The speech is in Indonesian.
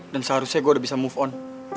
dan seharusnya gue udah bisa move on